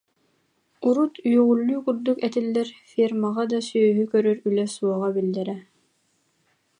Урут «үөҕүллүү» курдук этиллэр фермаҕа да сүөһү көрөр үлэ суоҕа биллэрэ